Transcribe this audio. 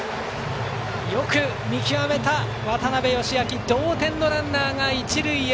よく見極めた、渡邊佳明同点のランナーが一塁へ。